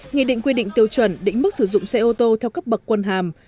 nghị định quy định tiêu chuẩn định mức sử dụng xe ô tô theo cấp bậc quân hàm